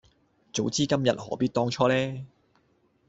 早知今日何必當初呢